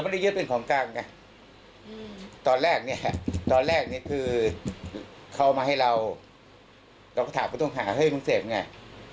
ตอนแรกนี้คือเขามาให้เราถามก็ต้องหาเฮ้ยมึงเสพยาไงวะ